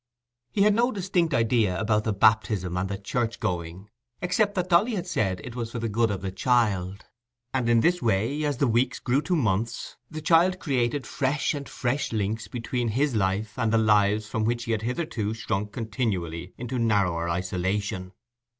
He had no distinct idea about the baptism and the church going, except that Dolly had said it was for the good of the child; and in this way, as the weeks grew to months, the child created fresh and fresh links between his life and the lives from which he had hitherto shrunk continually into narrower isolation.